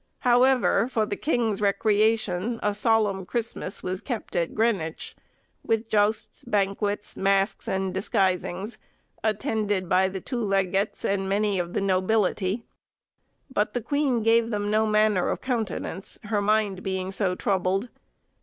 However, for the king's recreation, a solemn Christmas was kept at Greenwich, with justs, banquets, masks and disguisings, attended by the two legates and many of the nobility; but the queen gave them no manner of countenance, her mind being so troubled.